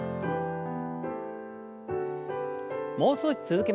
もう少し続けましょう。